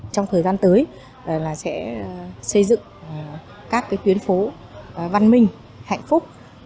trong thời gian tới sẽ xây dựng các tuyến phố văn minh hạnh phúc